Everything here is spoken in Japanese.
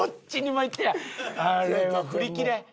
あれは振りきれん。